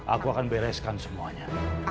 aku akan bereskan semuanya